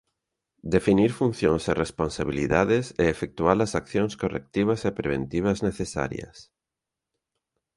Definir funcións e responsabilidades e efectuar as accións correctivas e preventivas necesarias.